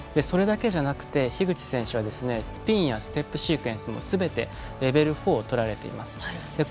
それだけじゃなくて、樋口選手はスピンやステップシークエンスもすべてレベル４をとられています。